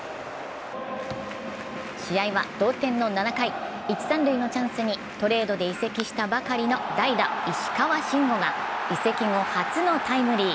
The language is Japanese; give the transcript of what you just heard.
試合は同点の７回一・三塁のチャンスにトレードで移籍したばかりの代打・石川慎吾が移籍後初のタイムリー。